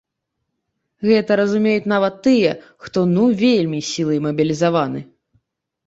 Гэта разумеюць нават тыя, хто ну вельмі сілай мабілізаваны.